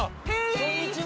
こんにちは。